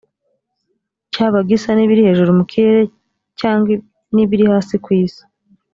cyaba gisa n’ibiri hejuru mu kirere cyangwa n’ibiri hasi ku isi,